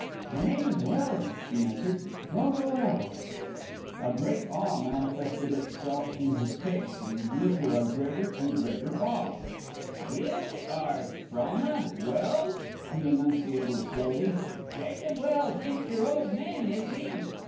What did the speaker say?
"My name is Welse," she answered. "Frona Welse." A great awe manifested itself in his face, and grew to a greater and greater awe. "You are Frona Welse?" he enunciated slowly. "Jacob Welse ain't your old man, is he?"